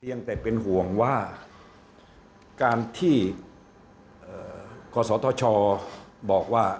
ยังแต่เป็นห่วงว่าการที่กศธชบอกว่า